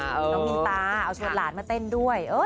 น้องมินตาเอาชวนหลานมาเต้นด้วย